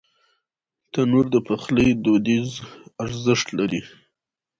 تنور د پخلي دودیز ارزښت لري